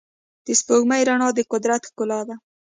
د سپوږمۍ رڼا د قدرت ښکلا ده.